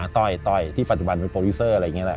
ต้อยที่ปัจจุบันเป็นโปรดิวเซอร์อะไรอย่างนี้แหละ